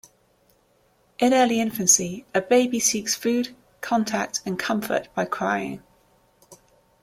In early infancy, a baby seeks food, contact, and comfort by crying.